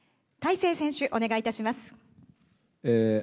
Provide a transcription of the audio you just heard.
山本選手、お願いいたします。